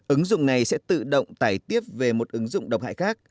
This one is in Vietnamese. ứng dụng này sẽ tự động tải tiếp về một ứng dụng độc hại khác